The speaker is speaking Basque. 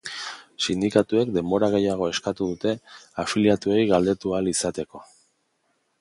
Sindikatuek denbora gehiago eskatu dute afiliatuei galdetu ahal izateko.